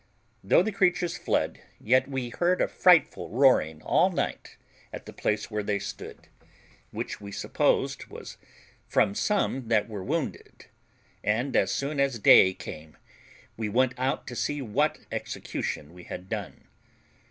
Though the creatures fled, yet we heard a frightful roaring all night at the place where they stood, which we supposed was from some that were wounded, and as soon as day came we went out to see what execution we had done.